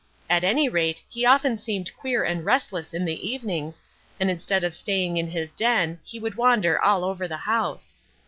At any rate he often seemed queer and restless in the evenings, and instead of staying in his den he would wander all over the house.